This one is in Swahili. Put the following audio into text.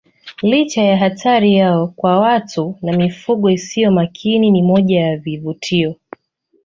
Licha ya hatari yao kwa watu na mifugo isiyo makini ni moja ya vivutio